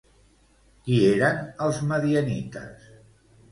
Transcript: Qui eren els madianites?